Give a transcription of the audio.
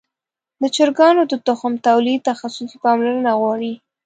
د چرګانو د تخم تولید تخصصي پاملرنه غواړي.